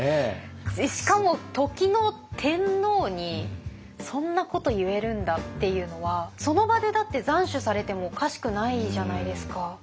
しかも時の天皇にそんなこと言えるんだっていうのはその場でだって斬首されてもおかしくないじゃないですか。